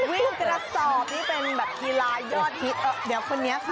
วิ่งกระสอบนี่เป็นแบบกีฬายอดฮิตเดี๋ยวคนนี้ค่ะ